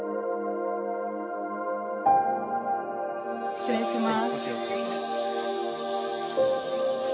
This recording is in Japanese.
失礼します。